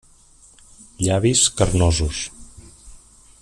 Llavis carnosos.